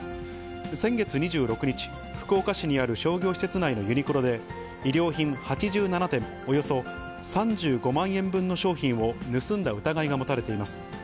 先月２６日、福岡市にある商業施設内のユニクロで、衣料品８７点、およそ３５万円分の商品を盗んだ疑いが持たれています。